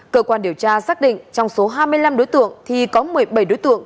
cơ quan điều tra xác định trong số hai mươi năm đối tượng thì có một mươi bảy đối tượng